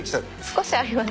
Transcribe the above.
少しあります。